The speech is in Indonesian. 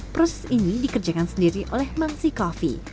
proses ini dikerjakan sendiri oleh mangsi coffee